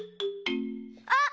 あっ！